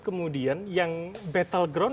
kemudian yang battleground